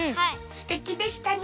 すてきでしたね。